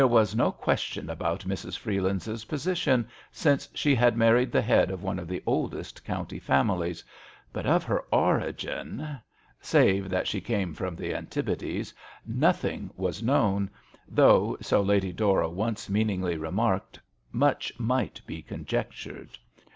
was no question about Mrs. Freeland's position, since she had married the head of one of the oldest county families, but of her origin — save that she came from the antipodes — nothing was known, though, so Lady Dora once meaningly remarked, much might be conjectured.